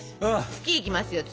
「月」いきますよ「月」！